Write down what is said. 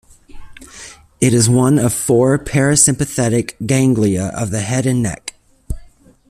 It is one of four parasympathetic ganglia of the head and neck.